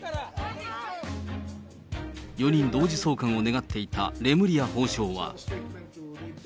４人同時送還を願っていたレムリヤ法相は。